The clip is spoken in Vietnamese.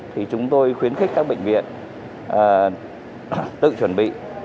thì chúng tôi khuyến khích các bệnh viện tự chuẩn bị